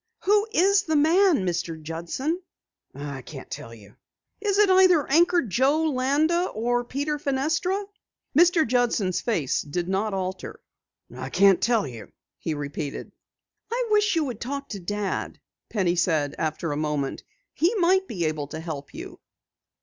"Who is the man, Mr. Judson?" "I can't tell you." "Is it either Anchor Joe Landa or Peter Fenestra?" Mr. Judson's face did not alter. "I can't tell you," he repeated. "I wish you would talk to Dad," Penny said after a moment. "He might be able to help you."